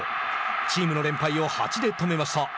チームの連敗を８で止めました。